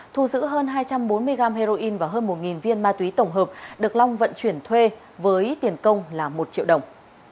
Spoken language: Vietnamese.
thu giữ hơn hai trăm bốn mươi gram heroin và hơn một viên ma túy tổng hợp được long vận chuyển thuê với tiền công là một triệu đồng